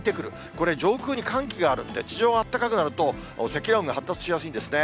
これ、上空に寒気があるんで、地上があったかくなると積乱雲が発達しやすいんですね。